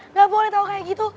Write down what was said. nggak boleh tahu kayak gitu